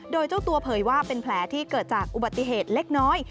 โดยเจ้าตัวเผยว่าเป็นแผลที่เกิดจากอุบัติเหตุเล็กน้อย